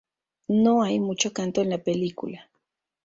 No hay mucho canto en la película.